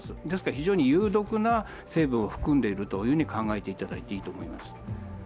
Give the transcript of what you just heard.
非常に有毒な成分を含んでいると考えていただいていいと思います。